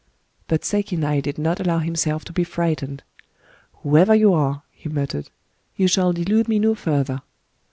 But Sekinai did not allow himself to be fiightened. " Whoever you are," he muttered, " you shall delude me no further